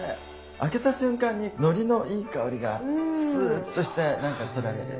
開けた瞬間にのりのいい香りがスーッとしてなんかそそられる。